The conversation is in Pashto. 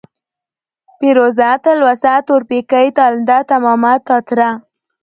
پېروزه ، تلوسه ، تورپيکۍ ، تالنده ، تمامه ، تاتره ،